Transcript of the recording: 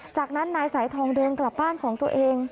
จากนั้นนายสายทองเดินกลับบ้านของตัวเอง